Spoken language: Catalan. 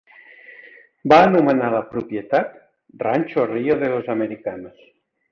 Va anomenar la propietat "Rancho Rio de los Americanos".